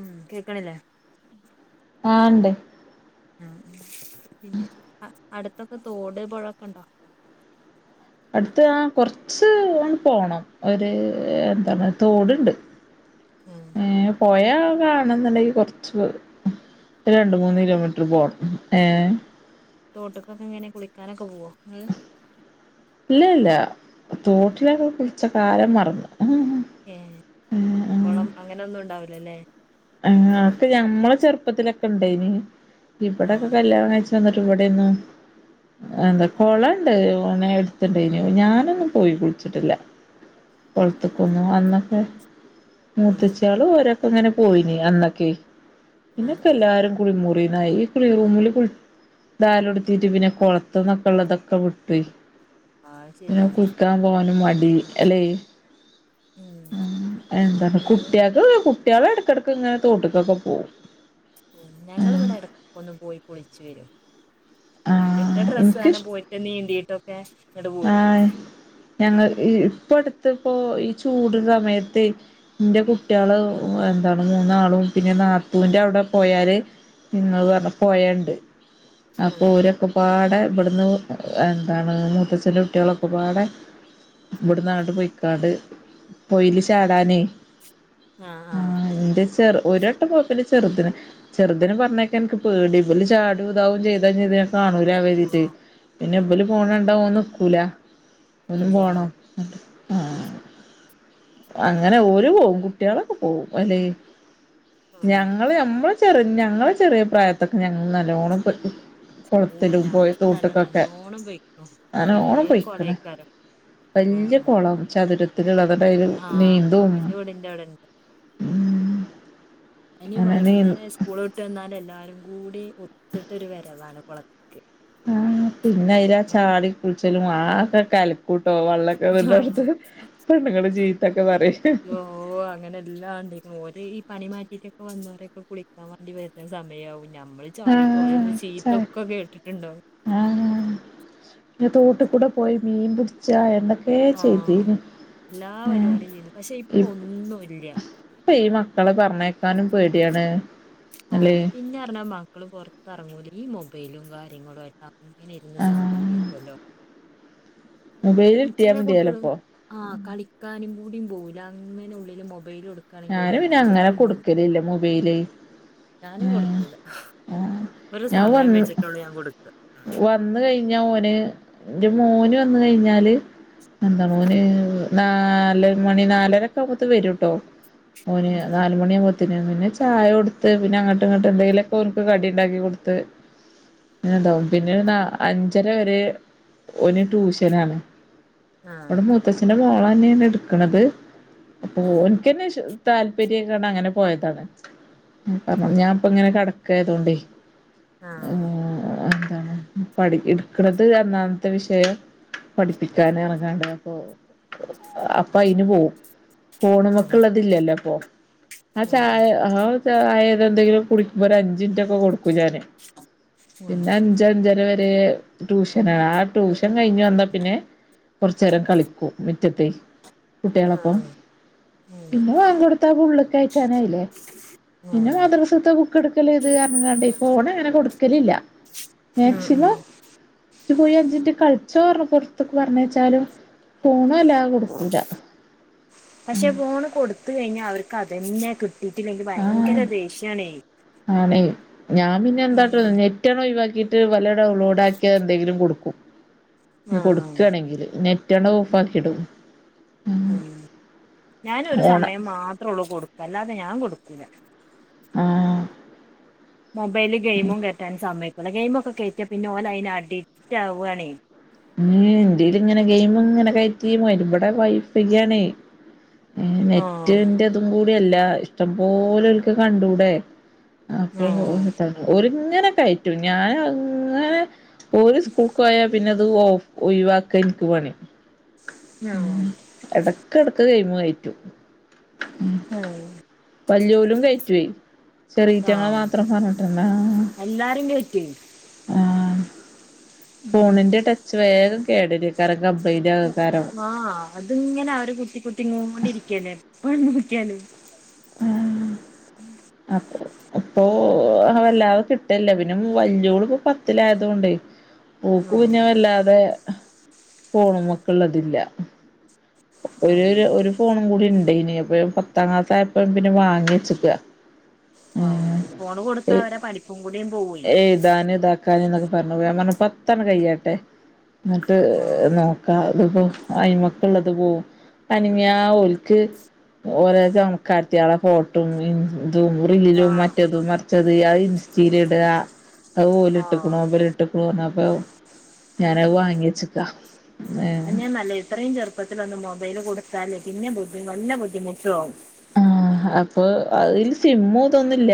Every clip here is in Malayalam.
ഉം കേക്കണില്ലേ? ആണ്ട് ഉ പിന്നെ അടുത്തൊക്കെ തോട് പുഴ ഒക്കെ ഉണ്ടോ അടുത്ത ആ കൊറച്ച് പോണം ഒരു എന്താണ് തോടുണ്ട് ഉം ഏ പുഴ കാണന്നുണ്ടെങ്കി കൊറച്ച് രണ്ട് മൂന്ന് കിലോമീറ്റർ പോണം ഏ.. തോട്ട്ക്കൊക്കെങ്ങനെ കുളിക്കാനൊക്കെ പോവോ? നിങ്ങള് ഇല്ല ഇല്ല തോട്ടിലക്കെ കുളിച്ച കാലം മറന്നു. ഏഹ് ല്ലല്ലേ അക്കെ ഞമ്മളെ ചെറുപ്പത്തിലൊക്കെ ഇണ്ടയിനി ഇവിടൊക്കെ ആഹ് കല്യാണം കഴിച്ച ന്നിട്ട് ഇവിടെന്ന് എന്താ കൊളണ്ട് ഓനെ ടുത്ത്ണ്ടയിന് ഞാനൊന്നും പോയി കുളിച്ചിട്ടില്ല. [inaudible] കൊളത്ക്കൊന്നു അന്നൊക്കെ ആഹ് മൂത്തിച്യാളും ഒരൊക്കെങ്ങനെ. പോയിനി അന്നക്കെയ് ആഹ് ഇന്നക്ക ആഹ് എല്ലാരും കുളിമുറി ഈ കുളിറൂമില് ദാലടുതീട്ട് പിന്നെ കൊളത്തന്നൊക്കെ ഉള്ള തൊക്കെ വിട്ടു അത് പിന്നെ ശരിയാണ് കുളിക്കാൻ പോവാനും മടി അല്ലേ? ഉം എന്ത ഞങ്ങ കുട്ടികക്ക് കുട്ടികൾ എട്‌ ടക്ക ഇങ്ങനെ തോട്ട്ക്കൊക്കെ പോവും. ഞങ്ങൾ ഇവിടെ എടക്കൊന്ന് പോയി കുളിച്ചു വരും. ഇട്ട ആഹ് ഡ്രസ്സ്സനെ ഇൻക്കിഷ് പോയിട്ട് നീന്തീട്ടൊക്കെ ങ്ങട് പോരും. ആഹ് ഞങ്ങൾ ഇപ്പ അടുത്ത്പ്പൊ ഈ ചൂട് സമയത്ത് ന്റെ കുട്ടിയാള്. എന്താണ് മൂന്നാളും പിന്നെ നാത്തൂന്റെ അവിടെ പോയാല് നിങ്ങൾ പറഞ്ഞ പൊയണ്ട്. ഉം അപ്പൊ ഒരൊക്കെപാടെ ഇബ്ട്‌ന്ന് എന്താണ് മൂത്തഛ ചില കുട്ടികളൊക്കെപാടെ ഇവിടെ നാട് പോയ്‌ക്കാണ്ട് പൊയീല് ചാടാനേ. ആഹ് ആഹ് ചെറു ഒരട്ടം കൊയ്പ്പില്ല ചെറുതിന് ചെറുതിനെ പറഞ്ഞയക്കാൻ ൻക്ക് പേടി ബല് ചാടും ഇതാവും ചെയ്താ കാണൂല വേദീട്ട് ആഹ് പിന്നെ ബലും പോണണ്ട ഓൻ നിക്കൂല. ഒനും ഇല്ല പോണം. ആ അങ്ങനെ ഓര് പോവും കുട്ടിയെളൊക്കെ പോവും അല്ലെ? ആഹ് ഞങ്ങള് മ്മള് ചെറി ഞങ്ങള ചെറിയ പ്രായത്തൊക്കെ ഞങ്ങ നല്ലോണം ഓ കുളത്തിലും ഞാനൊക്കെ നല്ല നല്ലോണം പോയിക്ണു. അന നല്ലോണം ണം പോയിക്കണ് ആഹ് വലിയകുളം ചതുരത്തി ളതൽ ആഹ് നീന്തും. എന്റെ വീടിന്റെ ഉം ഇനി അങ്ങനെ നീ വൈകുന്നേരം സ്കൂള് വിട്ട് വന്നാല് എല്ലാരും കൂടി ഒത്തിട്ട് വരവാണ് കുളത്തി ആ പിന്നെ അതില ചാടി കുളിച്ചലും ആകെ കല കൂട്ടോ വെള്ളമൊക്കെ വ അടുത്ത് പെണ്ണുങ്ങൾ ജീ ഓ അങ്ങനെല്ലാണ്ട് ഓര് ഈ പണി മാറ്റിയിട്ട വന്നവരൊക്കെ കുളിക്കാൻ വേണ്ടി വരുന്ന സമയ ആവും. ഞമ്മള് ചാടിട്ട് ആഹ് ഓലന്ന് ച ചീത്തൊക്കെ കേട്ടിട്ടുണ്ടാവ ഞൻ തോട്ടിൽ കൂടെ പോയി മീൻ പിടിച്ചാ എ ആഹ് എല്ലാ ഏഹ് വരുപടിം ചെയ്യുതു പക്ഷെ ഇപ്പ ഒന്നൂല്ല. അ ഈ മക്കളേ പറഞ്ഞേക്കാനും പേടിയാണ്. അല്ലേ ആഹ് പിന്നെ അറിഞ്ഞാ മക്കള് പൊറത്തിറങ്ങൂല ഈ മൊബൈലും കാര്യങ്ങളും അങ്ങനെ ഇരുന്ന് സമയം ആഹ് കഴിക്കല്ലോ മൊബൈല് കിട്ടിയാ ചെല മതിയല്ലോ കുട്ടികളും ഇപ്പൊ ആഹ് കളിക്കാനും കൂടിയും പോവല അങ്ങനെ ഉള്ളിൽ മൊബൈ ഞാന് പിന്നെ അങ്ങനെ കൊടുക്കലില്ല മൊബൈല്. ഞാനും ഉം കൊടുക്കൂല. ആഹ് ഒരു ഞാൻ സമയം വന്ന് വെച്ചിട്ടുള്ളൂ ഞാൻ കൊടുക്കുക വന്ന് കഴിഞ്ഞ ഓന് മോന് വന്ന കഴിഞ്ഞാല് എന്താ മോന് നാല് മണി നാലരൊക്കെ ആവുമ്പോത്ത വരും കേട്ടോ ഓന് ഉം നാലുമണിയാവുമ്പോ പിന്നെ ചായ കൊടുത്ത് പിന്നെ അങ്ങോട്ട ഇങ്ങോട്ട് എന്തെങ്കിലുക്കെ ഓൻക്ക് കടി ഉണ്ടാക്കി കൊടുത്ത്. ണ്ടാവും പിന്നെ അഞ്ചര വരെ ഒന് ടൂഷനാണ്. ആഹ് ഇവിടെ മൂത്തച്ഛന്റെ മോളന്നെണ് എടുക്കണത് അപ്പൊ ആഹ് ഓന്ക്കന്നെ ഇശ് താല്പര്യങ്ങനെ പോയതാണ് ഞൻപ്പ ഇങ്ങനെ കെട ഒക്കെ ആയതുകൊണ്ട് ആഹ എടുക്കണത അന്നാത്തെ വിഷയം പഠിപ്പിക്കാൻ ഇറ ങ്ങാണ്ട അപ്പൊൾ അപ്പൊ അയിന് പോകും ഫോണൊക്കെ ഇല്ലല്ലോ [unintelligible] ഉം ചായ എന്തെങ്കിലും കുടിക്കുമ്പോൾ ഒരു അഞ്ച് മിനിറ്റ് ഒക്കെ കൊടുക്കും ഞാാന് ഉം ഉം പിന്നെ അഞ്ച അഞ്ചന വരെ ട്യൂഷനണ് ആ ട്യൂഷൻ കഴിഞ്ഞു വന്ന പിന്നെ കുറച്ച നേരം കളിക്കൂ മുറ്റത്തി കുട്ടികളപ്പൊ ആഹ് ഉം പിന്നെ ബാങ്ക് കൊടുത്ത ഉള്ളക്ക് കേറ്റാൻ ആയില്ലേ പിന്നെ ഉം മദ്രസത്തെ ബുക്ക് ബുക്ക്എടുക്കല ഇത് കാരണംഫോൺ അങ്ങനെകൊടുക്കലില്ല ഉം മാക്സിമം ഉം നീപോയി അഞ്ചിട്ട് കളിച്ചോ പറഞ്ഞ പുറത്തൊക്കെ പറഞ്ഞ വച്ചാലും ഫോണ് അല്ലാ കൊടുക്കൂല പക്ഷെ ഫോണ് കൊടുത്ത കഴിഞ്ഞാൽ അവർക്ക്അത് തന്നെ [unintelligible] കിട്ടിയില്ലെങ്കിൽ ആഹ് ഭയങ്കര ദേഷ്യമാണ് ആണേ ഞാൻ പിന്നെ എന്ത് കാട്ടും നെറ്റ് ഒഴിവാക്കിയിട്ട് ഡൗൺലോഡ്എന്തെങ്കിലും കൊടുക്കും ആഹ് ആഹ് കൊടുക്കയാണെങ്കില് നെറ്റ് ആൻഡ് ഓഫാക്കി ഇടും ഉം ഞാന ഒരു അതാണ് സമയം മാത്രേ ഉള്ളൂ കൊടുക്ക അല്ലാതെ ഞാൻ കൊടുക്കൂല ആഹ മൊബൈല് ഗെയിമും കേറ്റാൻ സമ്മതിക്കൂല ഗെയിം ഒക്കെ കേറ്റിയാൽ ഗെയിംപിന്നെ ഓന് അഡിക്റ്റ് ആവുകയാണ് ഇതിൽ ഇങ്ങനെ ഗെയിം ഇങ്ങനെ കേറ്റി [unintelligible] ഇവിടെ വൈഫൈ ആണ് ആഹ് നെറ്റിന്റെ അതും കൂടിയല്ല ഇഷ്ടംപലെ ഒക്ക് കണ്ടൂടെ അപ്പ.. ആഹ് [unintelligible] ഓല് ഇങ്ങനെ കയറ്റും ഞാൻ അങ്ങനെ.. ഒരു സ്കൂക്ക് പോയാൽ പിന്നെ അത് ഒഴിവാക്കാൻ എനിക്ക് പണി ആ എടുക്കെടുക്ക് ഗെയിം കയറ്റും ആഹ് വെല്ലിയോലും കേറ്റും ചെറിയ തങ്ങളെ ആഹ് മാത്രം പറഞ്ഞിട്ട് എല്ലാരും കേറ്റുവേ [unintelligible] ഫോണിന്റെ ടച്ച് വേഗം കേടു വരും ആഹ അതിങ്ങനെ അവര് കുത്തി കുത്തിങ്ങോണ്ടിരിക്കനേ [unintelligible] അപ്പെ അപ്പൊ വല്ലാതെ കിട്ടല്ല പിന്നെ യോള് പത്തിൽ ആയതുകൊണ്ട് ഓക്ക് ആഹ് വല്ലാതെ ഫോണൊക്കെ ഇതില്ല ഒരു ആഹ് ഒരു ഫോണും കൂടി [unintelligible] ഇനിയിപ്പോ പത്താം ക്ലാസ്സ ആയപ്പോഴും പിന്നെ വാങ്ങിവെച്ചക്കുവ ആഹ ഫോണ് കൊടുത്ത അവരെ പഠിപ്പും കൂടി എഴുതാന് ഇതാക്കാൻ പറഞ്ഞാണ്ട് ഞാൻ പറഞ്ഞുപത്ത കഴിയട്ടെ എന്നിട്ട് ആഹ് നോക്കാം അതിപ്പോ അയിമക്കളുള്ളത് പോകവും അനങ്ങ ആ ഒക്ക് ഓരോ [unintelligible] ഫോട്ടോസും [unintelligible] [unintelligible] ആഹ് മറ്റത മറച്ചത്- ഇൻ സ്റ്റൈൽ [unintelligible] അത് ഓല് ആഹ് ഇട്ടിണോ [unintelligible] [unintelligible] ഞാനത് വാങ്ങിയ ചക്ക അത് തന്നെ നല്ലത് എത്രയും ചെറുപ്പത്തിൽ തന്നെ മൊബൈൽ കൊടുത്താൽ പിന്നെ ബുദ്ധിമുട്ടാവും [unintelligible] അപ്പോൾ അതിൽ സിം ഒന്നുമില്ല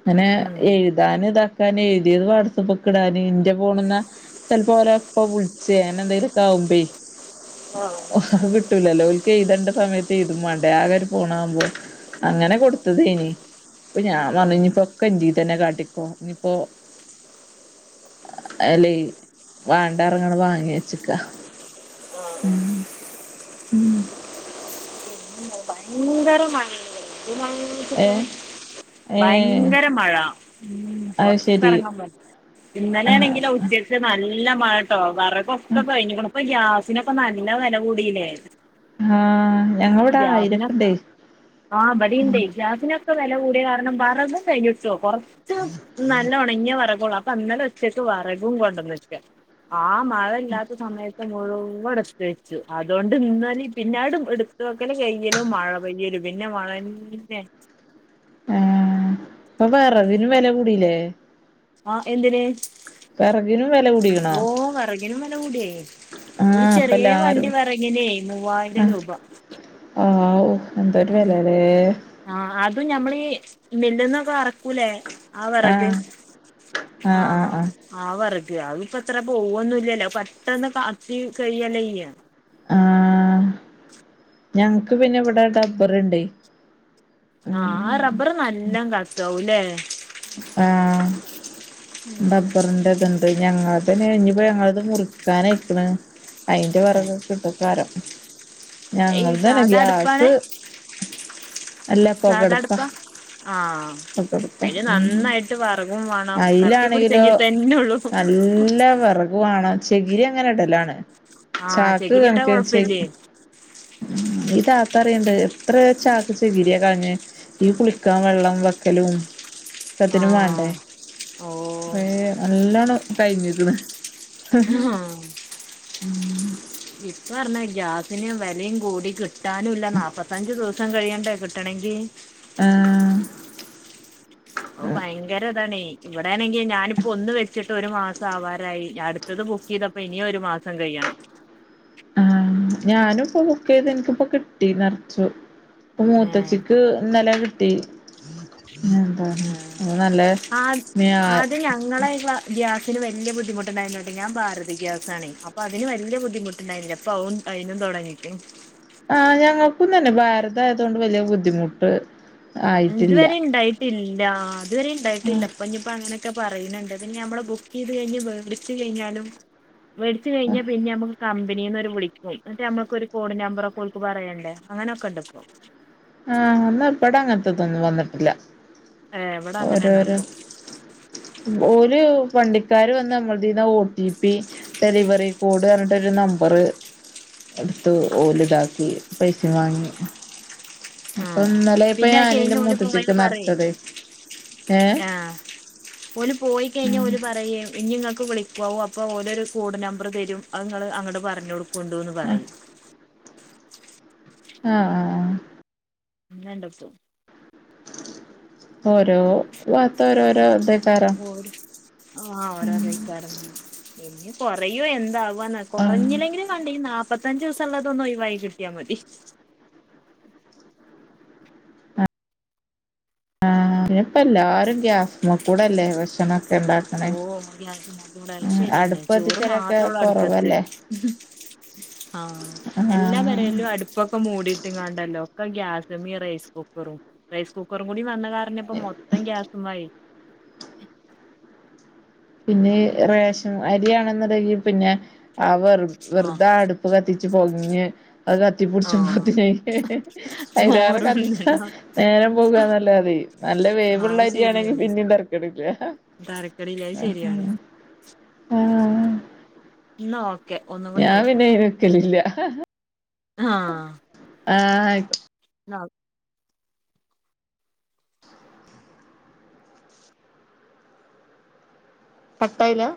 ഇങ്ങനെ ഉം എഴുതാന് [unintelligible] എഴുതിയത് വാട്സ്ആപ്പ് വിടാൻ എന്റെ ഫോണിൽ ഓലപ്പ വിളിച്ചു എന്തെങ്കിലുമൊക്കെ ആഹ് [unintelligible] [inaudible] എഴുതേണ്ട സമയത്ത് ഇതും വേണ്ടേ ആകെ ഒരു ഫോണും ! [unintelligible] അങ്ങനെ ഫോൺ ആവുമ്പോൾ കൊടുത്തത് ഇനി ഇപ്പൊ ഉം ഞാൻ ഒക്കെ എന്ന്ത് തന്നെ കാട്ടിക്ക ഇനിയിപ്പോൊ അല്ലേ വേണ്ട എന്ന് പറഞ്ഞു വാങ്ങി വെച്ച [inaudible] [unintelligible] വെച്ചിട്ടാ ഏ ഭയങ്കര മഴ അത് ശെരി പൊറത്തെറങ്ങാൻ പാറ്റ് ആഹ് ഇന്നലെയേലേണെങ്കിലോ ഉച്ചക്ക് നല്ല ഇല്ല മഴട്ടോ വറെകൊക്കെ കഴിഞ്ക്ക് ണ് ഇപ്പൊ ഗ്യാസിനൊക്കെ നല്ല വില കൂടില്ലേ? ആ ഗ്യാസിനോക്ക് ആ ഇബടിണ്ടേയ് ഗ്യാസിനൊക്കെ വല കൂടിയ കാരണം വറകും കഴിഞ്ഞുട്ടോ കൊറച്ച് നല്ലോണങ്ങിയ വറകെള്ളു. അ പ്പ ഇന്നലെ ഉച്ചക്ക് വറകും കൊണ്ടന്ന് ട്ടില്ല ആ മഴ ഇല്ലാത്ത സമയത്ത് ത് മുഴുവൻ ഇടത്ത് വെച്ചു അതോണ്ട് ഇന്നാലിം പിന്നാടും എട് ഇത് വെക്കലും കയ്യലും മഴ പെയ്യലും പിന്നെ മഴന്നെ. ഏ ഇപ്പൊ വറകിനും വെല കൂടില്ലേ? ആ എന്തിന് വെറക്നു ഓ വെറകിനും കൂടിയേ ഒരു ആഹ് ഇപ്പ ചെറിയ വണ്ടി എല്ലാരും വെറകിനെയ് മൂവായിരം രൂപ. ആ വൂ എന്തൊരു ഉം വെലലേ? ആഹ് അതും ഞമ്മളീ മില്ല്ന്നൊക്കെ അറക്കൂലേ ആ വറക് ആഹ് ആഹ് ആ വർക്. അഹ്ഞ്ഞിപ്പത്രേ പോവൊന്നും ഇല്ലല്ലോ പെട്ടെന്ന് കത്തി കയ്യല്ലേ യ്യ. ആഹ് ഞങ്ങക്ക് പിന്നെ ഇവിടെ ഡബ്ബർഇണ്ടേയ്. ആ ആ റബ്ബർ നല്ലോം കത്താവുംലെ? ആഹ് ഡബ്ബറിന്റെ ഇത്ണ്ട്. ത് ഞങ്ങൾ ത്ന് ഇഞ്ഞിപ്പോ ഞങ്ങളത് മുറിക്കാനയ്ക്കണ് അയിന്റെ ഉം. വെറക് കിട്ടോയ്ക്കാരിം. ഈ ഞങ്ങൾത്നെ സാധാ അടുപ്പാണ് ഗ്യാസ് അല്ല സാധാ പൊകടുപ്പ. അടുപ്പാ ആഹ് അതിന് നന്നായിട്ട് വിറകും വേണം അയ്ലാണെങ്കിലോ കത്തിപ്പിടിച്ചെങ്കി തന്നെ ഉള്ളൂ നല്ല വെറകുവാണ്. ചെകിരി അങ്ങനെടലാണ് ആഹ് ചാക്ക് ചകിരിയിട്ടാ കണക്കിന് ചെ കൊഴപ്പല്ലേ താത്ത പറയ്ണ്ട് എത്ര ചാക്ക് ചെകി രിയ. കളഞ് ഈ കുളിക്കാൻ വെള്ളം വെക്കലും. ഒക്കത്തിനും വാണ്ടേ ആഹ് ഓ കൊറെ നല്ലോണം കഴിഞ്ഞക്ക്ണ്. ആഹാ. [inaudible] ഇപ്പ പറഞ്ഞാ ഗ്യാസിന് വിലയും കൂടി കിട്ടാനുല്ല നാല്പ്പത്തഞ്ചു ദിവസം സം കഴിയേണ്ടേ കിട്ടണെങ്കിൽ? ആഹ് ഭയങ്കര ഇതാണേ ഇവിടെയാണെങ്കിൽ ഞാനിപ്പോ ഒന്ന് ഇവടെണെങ്കിൽ ഞാനിപ്പോ ഒന്ന് വെച്ചിട്ട് ഒരു മാസം ആവാരായി ഞ ടുത്തത് ബുക്ക് ചെയ്തപ്പോ ഇനി ഒരു മാസം കഴിയണം. [inaudible] ആഹ് ഞാനും ഇപ്പൊ ബുക്കെയ്യ്ത് എനിക്കിപ്പോ കിട്ടി നെർച്ചു ഇപ്പോ ഏഹ് മൂത്തച്ചിക്ക് ന്നലെ [inaudible] ആ ആദ് മേ അത് ഞങ്ങളൊ ഗ്ലാ ഗ്യാസ് അതിന് വെല്യാ ബുദ്ധിമുട്ടുണ്ടായിരുന്നുട്ടോ ഞാൻ ഭാരത ഗ്യാസ്സണേ അപ്പൊ അതിന് വല്ല്യ ബുദ്ധിമുണ്ടായിരുന്നില്ല ഇപ്പവും അയ്‌നും തോ തുടങ്ങിക്കും. ഇക്കും തന്നെ ഭാരത് ആയതോണ്ട് വല്ല്യാ ബുദ്ധിമുട്ട്. ഇത് ആയിട്ടില്ല വരെ ഇണ്ടായിട്ടില്ല ഇത് വരെ ഇണ്ടായിട്ടില്ല ആഹ് ഇപ്പഞ്ഞിപ്പോ അങ്ങനെ ക്കെ പറയ്ണണ്ട് പിന്നെ ഞമ്മൾ ബുക്കീത് ചെയ്ത് കഴിഞ് വേടിച്ച് കഴിഞ്ഞാലും വേടിച്ച് കഴിഞ്ഞ ആഹ് പിന്നെ നമ്മ കമ്പനീന്നോർ വിളിക്കും ന്നിട്ട് നമ്മൾക്ക് ഒരു കോഡിന്റെ നമ്പറൊക്കെ പറയണ്ടേ അങ്ങനെയൊക്കെ ഇണ്ട്പ്പോ. ആഹ ഇന്നബടെ അങ്ങനത്തതൊന്നും വന്നിട്ടില്ല. ഇവിടെ അങ്ങനെ ഉണ്ട് ഓരോരോ ഇപ്പം ഓല്. വണ്ടിക്കാര് വന്ന് നമ്മൾ ഇതീന്ന് O T P delivery code പറഞ്ഞിട്ട് ഒരു നമ്പറ് എടുത്ത് ഒ ഓല് ഇതാക്കി പൈസേം വാങ്ങി അപ്പൊ ആഹ് ഇന്നലെ ഇപ്പ പിന്നെ എനിക്ക് ഞാന് ഇന്റെ കയഞ്ഞ് പോലും മൂത്തച്ചിക്ക് പോകാന് പറയ് നറച്ചതേ ഏഹ് ആ ഓല് പോയിക്കഴിഞ്ഞാ ഉം ഓല് പറയും ഇനി ഇങ്ങക്ക് വിളി വവും അപ്പൊ ഓരോരു കോഡ് നമ്പർ തരും അത് അങ്ങള് അങ്ങട് പറഞ്ഞ് കൊടുക്കുണ്ടു എന്ന് പറയും അ ആഹ് ആഹ് ഇനി രണ്ടെവസം ഓരോ വാർത്ത ഓരോരോ ഇതാ ഓര് ആ ഓരോരോ [unintelligible] ഇനി കൊറയോ എന്താ വന്നാ ആഹ് കൊറഞ്ഞില്ലെങ്കിലും കണ്ടാ ഈ നാല്പ്പത്തഞ്ച് ദിവസമള്ളതൊന്നു ഒഴി വായി കിട്ടിയാ മതി ഉം ആഹ് ഇനിപ്പ എല്ലാരും ഗ്യാസ്മ കൂടല്ലേ ഭക്ഷണം ഓഹ് ഗ്യസമകൂടെ അത് ശരിയാണ് അടുപ്പ് ചോറ് കത്തിക്കലൊക്കെ മാത്രേ ഉള്ളൂ അടുപ്പത്ത് കൊറവല്ലേ ഉം ഹും ആ എല്ലാം ആഹ് പെരേലും അടുപ്പൊക്കെ മൂടീട്ടും കണ്ടല്ലോ ഒക്കെ ഗ്യാസ് സെമിറൈസ് കുക്കറും റൈസ് കുക്കറും കൂടി വന്ന കാരണം ഇപ്പോ മൊത്തം ഗ്യാസും ആയി [inaudible] പിന്നെ റേഷൻ അരിയാണെന്നുടെങ്കി പിന്നെ ആ വെറു ആഹ് വെറുതെ അടുപ്പ് കത്തിച്ച് പൊകഞ്ഞ് അത് കത്തിപ്പുടിച്ചും ആഹ് അതിനെ ഹേ ഹേ അയ്ലേറെ കത്തിച്ച ഹ് ചോറൊന്നുണ്ടാ നേരം പോകു കാന്നല്ലാതെ നല്ല ആഹ് വേവുള്ള അരിയാണെങ്കി പിന്നീ ടെറക്കണില്ല ഹാ ഹാ താരക്കടി ശരിയാണ് ആഹ് എന്നാ ഓക്കെ ഒന്ന്കൂടി വിളിക്കാം ഇല്ല ഹ ഹ ങ്ഹാ ആ റ്റ് നൗവ് കട്ടായില്ല